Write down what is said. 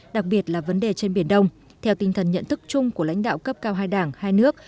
đặc biệt là vấn đề trên biển đông theo tinh thần nhận thức chung của lãnh đạo cấp cao hai đảng hai nước